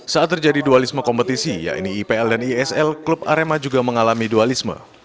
saat terjadi dualisme kompetisi yaitu ipl dan isl klub arema juga mengalami dualisme